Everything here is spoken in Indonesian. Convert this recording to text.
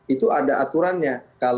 itu ada aturannya